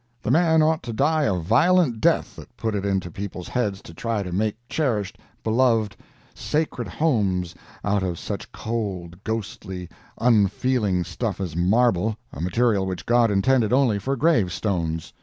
The man ought to die a violent death that put it into people's heads to try to make cherished, beloved, sacred homes out of such cold, ghostly, unfeeling stuff as marble a material which God intended only for gravestones.